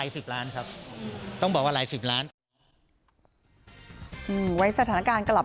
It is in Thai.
สักเมื่อไหร่ครับ